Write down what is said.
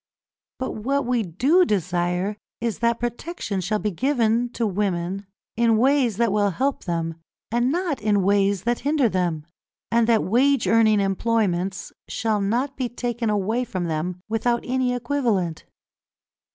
But what we do desire is that protection shall be given to women in ways that will help them and not in ways that hinder them, and that wage earning employments shall not be taken away from them without any equivalent.